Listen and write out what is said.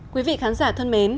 quý vị khán giả thân mến